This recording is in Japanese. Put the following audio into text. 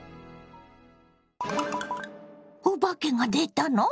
お化けが出たの？